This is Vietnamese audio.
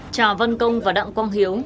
chào vân công và đặng quang hiếu